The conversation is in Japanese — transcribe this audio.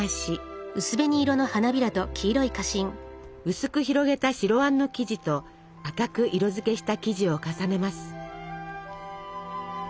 薄く広げた白あんの生地と赤く色づけした生地を重ねます。